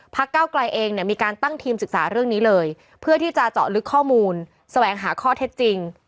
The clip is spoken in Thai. เก้าไกลเองเนี่ยมีการตั้งทีมศึกษาเรื่องนี้เลยเพื่อที่จะเจาะลึกข้อมูลแสวงหาข้อเท็จจริง